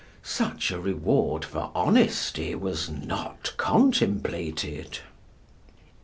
Such a reward for honesty was not contemplated.